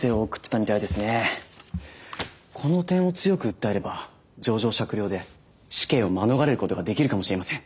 この点を強く訴えれば情状酌量で死刑を免れることができるかもしれません。